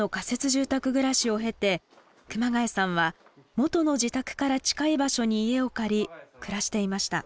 住宅暮らしを経て熊谷さんは元の自宅から近い場所に家を借り暮らしていました。